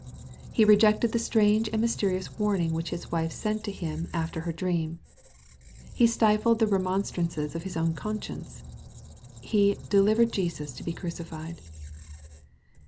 He rejected the strange and mjsterionB warning which his wife sent to him after her dream. He stifled the remonstrances of his own conscience. He " delivered Jesus to be crucified."